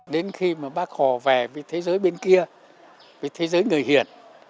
đến khi mà bác hồ về với thế giới bên kia với thế giới người hiền